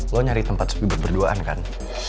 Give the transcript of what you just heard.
lo nyari tempat spie berduaan kan